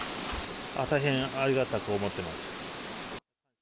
大変ありがたく思ってます。